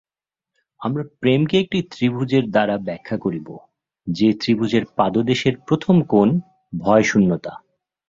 আমরা প্রেমকে একটি ত্রিভুজের দ্বারা ব্যাখ্যা করিব, যে ত্রিভুজের পাদদেশের প্রথম কোণ ভয়শূন্যতা।